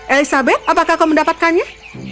elizabeth apakah kau mendapatkannya